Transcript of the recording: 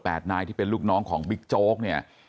นายที่เป็นลูกน้องของบิ๊กโจ๊กเนี่ย